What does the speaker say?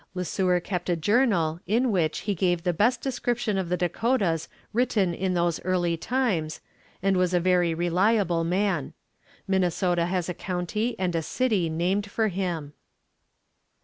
Le Sueur kept a journal in which he gave the best description of the Dakotas written in those early times, and was a very reliable man. Minnesota has a county and a city named for him.